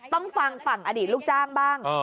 ต้องฟังฝั่งอดีตลูกจ้างบ้าง